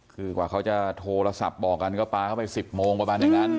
คือกว่าเขาจะโทรศัพท์บอกกันก็ปลาเข้าไป๑๐โมงประมาณอย่างนั้น